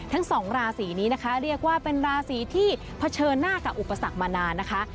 ทั้งสองราศีนี้นะคะเรียกว่าเป็นราศีที่เผชิญหน้ากับอุปสรรคมานานนะคะ